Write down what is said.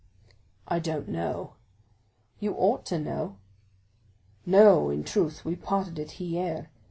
"I don't know." "You ought to know." "No, in truth; we parted at Hyères."